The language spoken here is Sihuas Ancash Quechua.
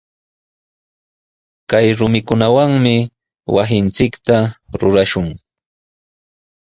Kay rumikunawami wasinchikta rurashun.